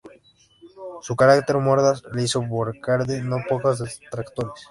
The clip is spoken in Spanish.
Su carácter mordaz le hizo buscarse no pocos detractores.